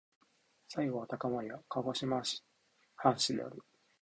西郷隆盛は鹿児島藩士である。